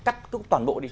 cắt toàn bộ đi